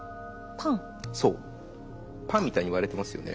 パンみたいに割れてますよね？